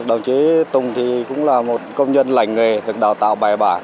đồng chí tùng thì cũng là một công nhân lành nghề được đào tạo bài bản